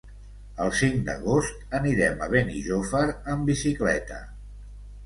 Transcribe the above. El cinc d'agost anirem a Benijòfar amb bicicleta.